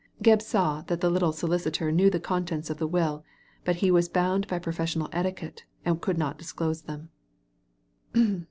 Gebb saw that the little solicitor knew the contents of the will, but he was bound by professional etiquette, and could not disclose them.